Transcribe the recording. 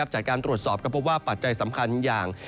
จากการตรวจสอบก็พบว่าปัจจัยสำคัญอย่าง